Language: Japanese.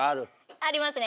ありますね。